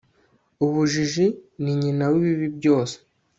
ubujiji ni nyina w'ibibi byose